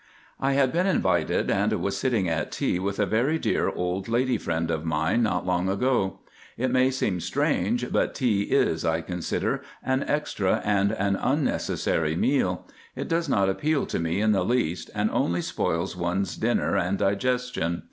I had been invited, and was sitting at tea with a very dear old lady friend of mine not long ago. It may seem strange, but tea is, I consider, an extra and an unnecessary meal. It does not appeal to me in the least, and only spoils one's dinner and digestion.